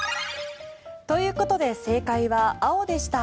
ということで正解は青でした。